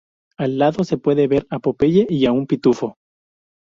Al lado se puede ver a Popeye y a un pitufo.